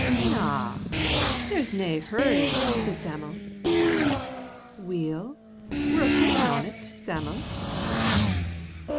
"Na, there's nae hurry," said Sam'l. "Weel, we're a' coontin' on't, Sam'l."